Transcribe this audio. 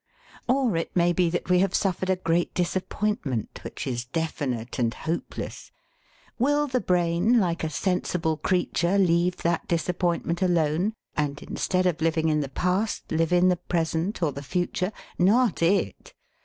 Or it may be that we have suffered a great disappointment, which is definite and hopeless. Will the brain, like a sensible creature, leave that disappointment alone, and instead of living in the past live in the present or the future? Not it!